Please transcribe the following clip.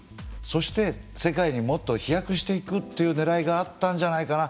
そして、世界にもっと飛躍していくというねらいがあったんじゃないかな。